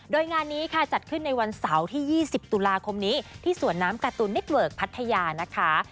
โดยงานนี้ค่ะจัดขึ้นในวันเสาร์ที่๒๐ตุลาคมนี้ที่สวนน้ำการ์ตูนนิดเวิร์กพัทยานะคะ